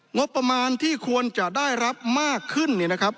งบประมาณที่ควรจะได้รับมากขึ้น